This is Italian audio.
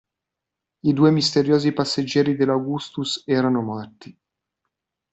I due misteriosi passeggeri dell'Augustus erano morti.